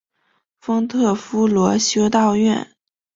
丰特夫罗修道院。